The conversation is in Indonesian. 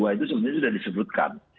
itu sebenarnya sudah disebutkan